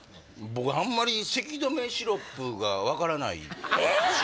僕あんまり咳止めシロップが分からないえっ！？